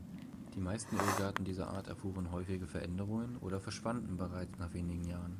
Die meisten Irrgärten dieser Art erfuhren häufige Veränderungen oder verschwanden bereits nach wenigen Jahren.